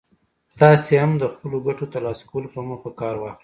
تاسې هم د خپلو ګټو ترلاسه کولو په موخه کار واخلئ.